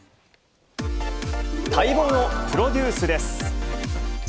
待望のプロデュースです。